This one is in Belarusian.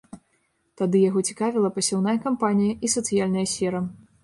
Тады яго цікавіла пасяўная кампанія і сацыяльная сфера.